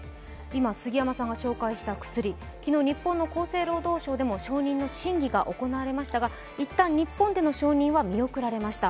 杉山さんが紹介した薬、昨日、日本の厚生労働省で承認の審議が行われましたが、一旦、日本での承認は見送られました。